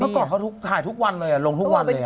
เมื่อก่อนเขาถ่ายลงทุกวันเลยอ่ะลงทุกวันเลยอ่ะ